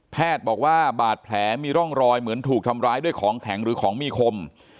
บอกว่าบาดแผลมีร่องรอยเหมือนถูกทำร้ายด้วยของแข็งหรือของมีคม